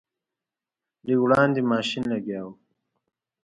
لږ وړاندې ماشین لګیا و.